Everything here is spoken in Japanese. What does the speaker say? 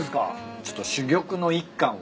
ちょっと珠玉の一貫を。